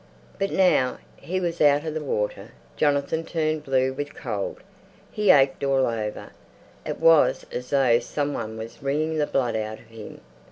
But now he was out of the water Jonathan turned blue with cold. He ached all over; it was as though some one was wringing the blood out of him.